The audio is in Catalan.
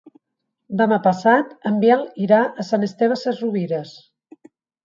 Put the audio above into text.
Demà passat en Biel irà a Sant Esteve Sesrovires.